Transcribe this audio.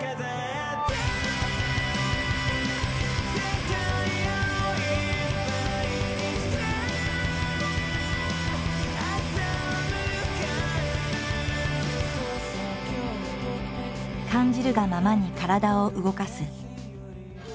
感じるがままに体を動かす。